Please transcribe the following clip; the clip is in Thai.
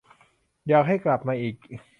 อยากให้กลับมาอีก